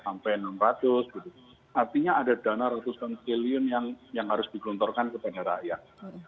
artinya ada dana ratusan triliun yang harus digelontorkan kepada rakyat